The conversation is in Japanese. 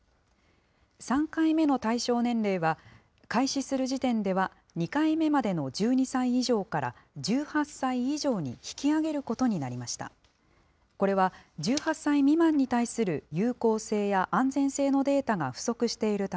３回目の対象年齢は、開始する時点では、２回目までの１２歳以上から、１８歳以上に引き上げることになりました。